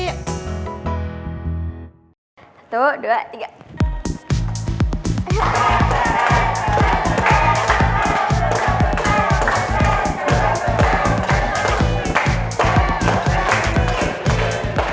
satu dua tiga